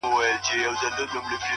• زولنې یې شرنګولې د زندان استازی راغی,